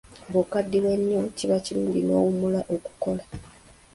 Bw'okaddiwa ennyo kiba kirungi n'owummula okukola.